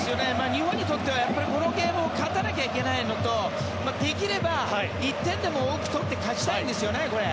日本にとってはこのゲームを勝たなきゃいけないのとできれば１点でも多く取って勝ちたいんですよね。